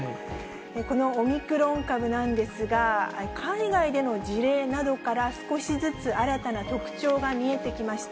このオミクロン株なんですが、海外での事例などから少しずつ新たな特徴が見えてきました。